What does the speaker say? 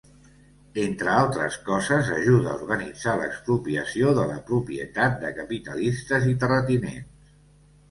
Entre altres coses, ajuda a organitzar l'expropiació de la propietat de capitalistes i terratinents.